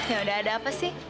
yaudah ada apa sih